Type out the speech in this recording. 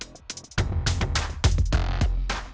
sampai ketemu lagi